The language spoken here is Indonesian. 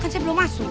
kan saya belum masuk